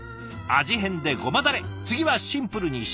味変でごまだれ次はシンプルに塩。